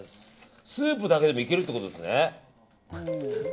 スープだけでもいけるってことですね。